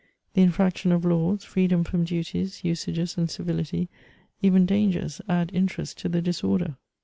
The infraction of laws, freedom from duties, usages, and civility, even dangers, add interest to the disorder.